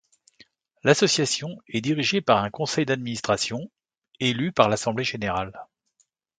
L’association est dirigée par un conseil d'administration, élu par l’assemblée générale.